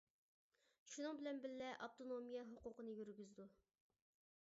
شۇنىڭ بىلەن بىللە ئاپتونومىيە ھوقۇقىنى يۈرگۈزىدۇ.